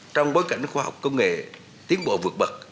trong bối cảnh khoa học công nghệ tiến bộ vượt bậc